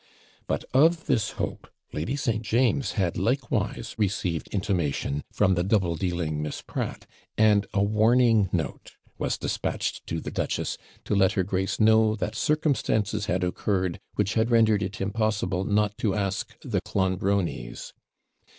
But of this hope Lady St. James had likewise received intimation from the double dealing Miss Pratt; and a warning note was despatched to the duchess to let her grace know that circumstances had occurred which had rendered it impossible not to ask THE CLONBRONIES.